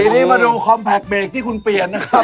ทีนี้มาดูคอมแพคเบรกที่คุณเปลี่ยนนะครับ